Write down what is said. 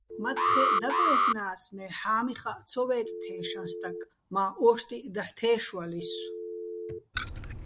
მაცხეჸ დაკვაჲლ'ნა́ს, მე ჰ̦ა́მიხაჸ ცო ვე́წე̆ თეშაჼ სტაკ, მა́ ო́შტიჸ დაჰ̦ თე́შვალისო̆.